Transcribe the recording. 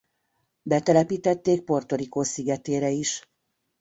Betelepítették Puerto Rico szigetére is.